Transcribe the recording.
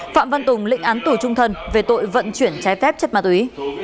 phạm văn tùng lĩnh án tù trung thân về tội vận chuyển trái phép chất ma túy